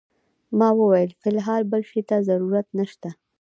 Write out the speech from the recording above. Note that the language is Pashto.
ما وویل فی الحال بل شي ته ضرورت نه شته.